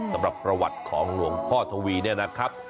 สำหรับประวัติของหลวงพ่อทวีเนี่ยนะครับ